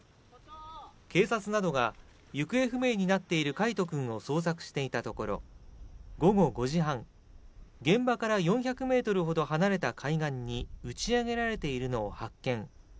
警察などが行方不明になっている櫂斗君を捜索していたところ、午後５時半、現場から４００メートルほど離れた海岸に打ち上げられているのを発見。